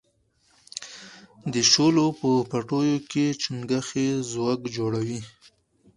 د شولو په پټیو کې چنگښې ځوږ جوړوي.